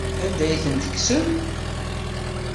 Anda ay ten-tekksem?